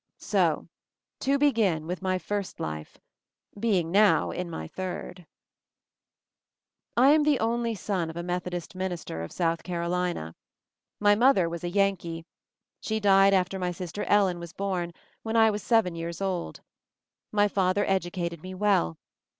So, to begin with my first life, being now in my third ...... I am the only son of a Methodist minister of South Carolina. My mother was a Yan kee. She died after my sister Ellen was born, when I was seven years old. My father educated me well.